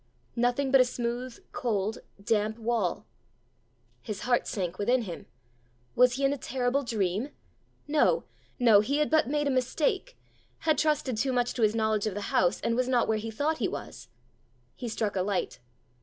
_ nothing but a smooth, cold, damp wall! His heart sank within him. Was he in a terrible dream? No, no! he had but made a mistake had trusted too much to his knowledge of the house, and was not where he thought he was! He struck a light.